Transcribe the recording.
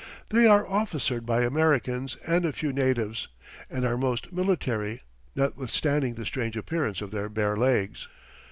They are officered by Americans and a few natives, and are most military, notwithstanding the strange appearance of their bare legs.